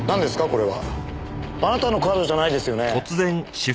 これは。あなたのカードじゃないですよね？